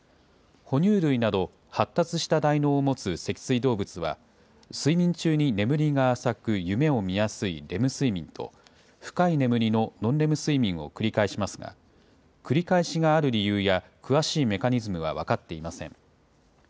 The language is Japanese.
哺乳類など発達した大脳を持つ、脊椎動物は、睡眠中に眠りが浅く夢を見やすいレム睡眠と、深い眠りのノンレム睡眠を繰り返しますが、繰り返しがある理由や、詳しいメカニズムは分かっていません。